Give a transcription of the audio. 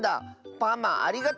パマありがとう！